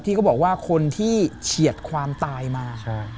เขาบอกว่าคนที่เฉียดความตายมา